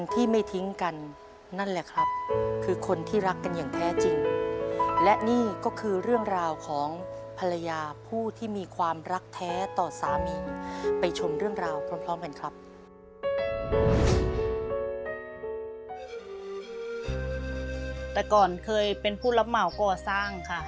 แต่ก่อนเคยเป็นผู้รับเหมาก่อสร้างค่ะ